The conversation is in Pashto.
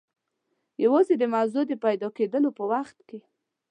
یوازې د موضوع د پیدا کېدلو په وخت کې.